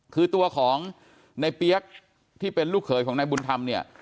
คือตัวของในเปี๊ยกที่เป็นลูกเขยของนายบุญธรรมเนี่ย